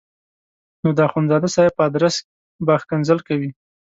نو د اخندزاده صاحب په ادرس به ښکنځل کوي.